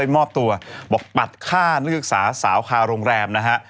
มอบตัวบอกปัดฆ่านักศึกษาสาวคาโรงแรมนะฮะ